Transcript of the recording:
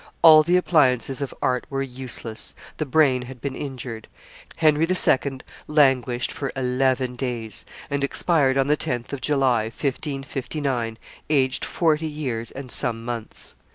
All the appliances of art were useless; the brain had been injured. Henry II. languished for eleven days, and expired on the 10th of July, 1559, aged forty years and some months.